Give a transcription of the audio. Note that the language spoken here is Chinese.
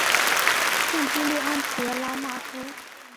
圣朱利安德拉讷夫。